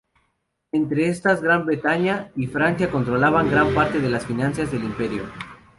Entre estas Gran Bretaña y Francia controlaban gran parte de las finanzas del Imperio.